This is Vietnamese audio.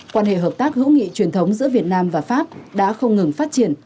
quan hệ hợp tác hữu nghị truyền thống giữa việt nam và pháp đã không ngừng phát triển